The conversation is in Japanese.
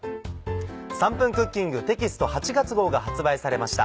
『３クッキング』テキスト８月号が発売されました。